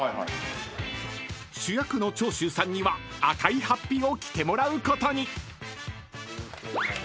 ［主役の長州さんには赤い法被を着てもらうことに］